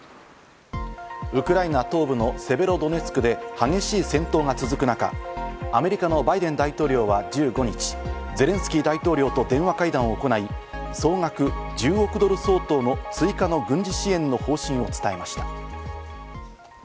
ウクライナ東部のセベロドネツクで激しい戦闘が続く中、アメリカのバイデン大統領は１５日、ゼレンスキー大統領と電話会談を行い、総額１０億ドル相当の追加の軍事支援の方針を伝えました。